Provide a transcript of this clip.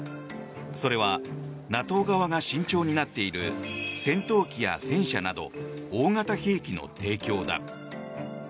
それはＮＡＴＯ側が慎重になっている戦闘機や戦車など大型兵器の提供だ。